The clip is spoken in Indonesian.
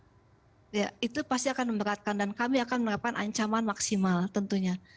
ya itu pasti akan memberatkan dan kami akan menerapkan ancaman maksimal tentunya